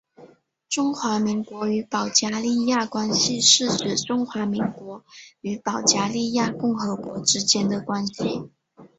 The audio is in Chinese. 中华民国与保加利亚关系是指中华民国与保加利亚共和国之间的关系。